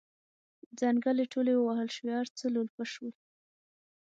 ځنګلې ټولې ووهل شوې هر څه لولپه شول.